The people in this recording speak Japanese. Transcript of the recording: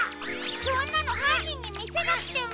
そんなのはんにんにみせなくても！